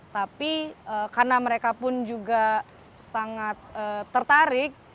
tapi karena mereka pun juga sangat tertarik